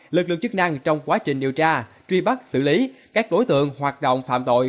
lực lượng chức năng trong quá trình điều tra truy bắt xử lý các đối tượng hoạt động phạm tội